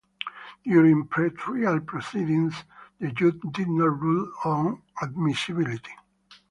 During pre-trial proceedings, the judge did not rule on admissibility.